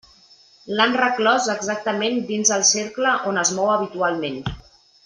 L'han reclòs exactament dins el cercle on es mou habitualment.